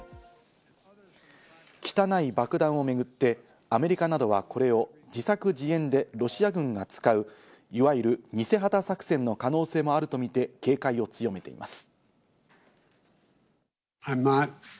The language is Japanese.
「汚い爆弾」をめぐってアメリカなどは、これを自作自演でロシア軍が使う、いわゆる偽旗作戦の可能性もあるとみて警戒を強めています。